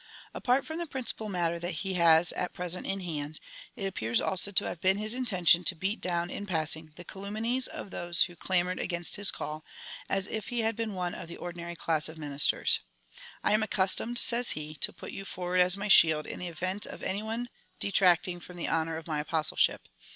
Apart from the princii^al matter that he has at present in hand, it appears also to have been his in tention to beat down, in passing, the calumnies of those who clamoured against his call, as if he had been one of the ordinary class of ministers. " I am accustomed,'' says he, '•' to put you forward as my shield, in the event of any one detracting from the honour of my Apostleship."